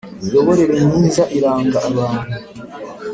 Imiyoborere myiza iranga abantu.